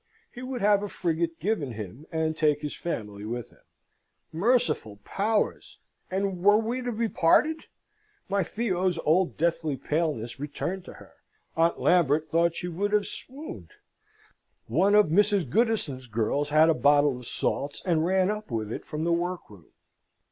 He would have a frigate given him, and take his family with him. Merciful powers! and were we to be parted? My Theo's old deathly paleness returned to her. Aunt Lambert thought she would have swooned; one of Mrs. Goodison's girls had a bottle of salts, and ran up with it from the workroom.